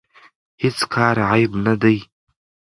هیڅ کار عیب نه دی.